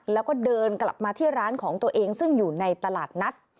แล้วก็เดินกลับมาที่ร้านของตัวเองซึ่งอยู่ในตลาดนัด